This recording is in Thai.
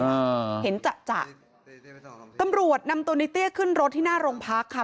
อ่าเห็นจะจะตำรวจนำตัวในเตี้ยขึ้นรถที่หน้าโรงพักค่ะ